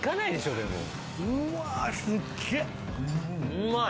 うまい。